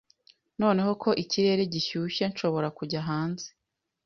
Noneho ko ikirere gishyushye, nshobora kujya hanze.